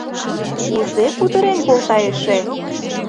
Кузе кутырен колта эше!